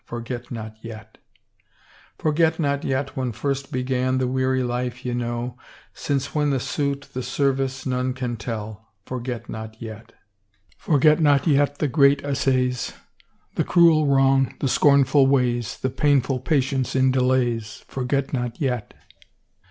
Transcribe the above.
Forget not yet I Forget not yet when first began The weary life ye know, since when The suit, the service, none can tell; Forget not yet! Forget not yet the great as8a3rs. The cruel wrong, the scornful ways. The painful patience in delays, Forget not yet!